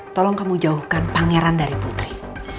tolong kamu jauhkan pangeran dari putri